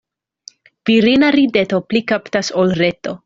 Virina rideto pli kaptas ol reto.